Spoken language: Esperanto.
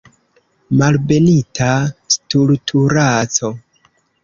Malbenita stultulaĉo.